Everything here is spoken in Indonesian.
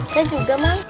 saya juga mak